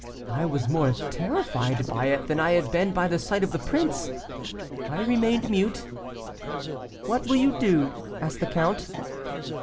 I was more terrified by it than I had been by the sight of the prince. I remained mute. 'What will you do?' asked the count.